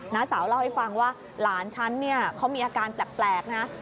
สาวเล่าให้ฟังว่าหลานฉันเนี่ยเขามีอาการแปลกนะ